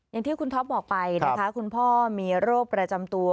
อย่างที่คุณท็อปบอกไปนะคะคุณพ่อมีโรคประจำตัว